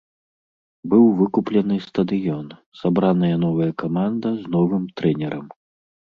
Быў выкуплены стадыён, сабраная новая каманда з новым трэнерам.